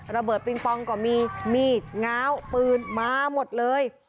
ระเบิดปิงปองก็มีมีดง้าวปืนมาหมดเลย